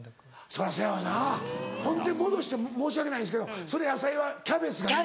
そらそやわなほんで戻して申し訳ないんですけどそれ野菜はキャベツがいい？